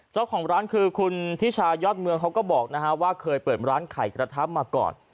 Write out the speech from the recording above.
เจ้าของร้านคือคุณทิชายอดเมืองเขาก็บอกว่าเคยเปิดร้านไข่กระทะมาก่อน